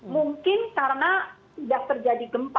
mungkin karena sudah terjadi gempa